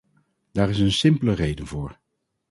Daar is een simpele reden voor.